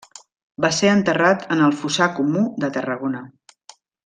Va ser enterrat en el fossar comú de Tarragona.